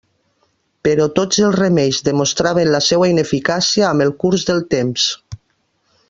Però tots els remeis demostraven la seua ineficàcia amb el curs del temps.